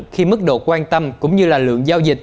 khi mức độ quan tâm cũng như là lượng giao dịch